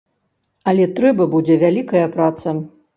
Але трэба будзе вялікая праца.